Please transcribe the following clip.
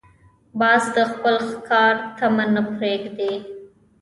باز د خپل ښکار طمع نه پرېږدي